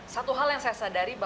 satu hal yang saya sadari